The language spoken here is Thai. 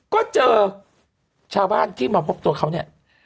ก็เจอชาวบ้านที่มาพบตัวเขาเนี่ย